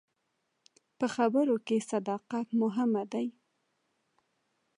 په خبرو کې صداقت مهم دی.